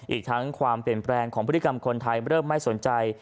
อีกทั้งความเปลี่ยนแปลงของพฤติกรรมคนไทยเริ่มไม่สนใจ